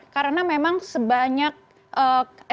karena memang sebanyak sdbk ini